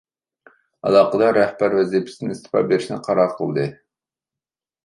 ئالاقىدار رەھبەر ۋەزىپىسىدىن ئىستېپا بېرىشنى قارار قىلدى.